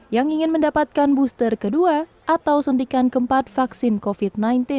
yang ingin mendapatkan booster kedua atau suntikan keempat vaksin covid sembilan belas